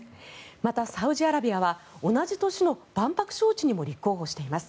また、サウジアラビアは同じ年の万博招致にも立候補しています。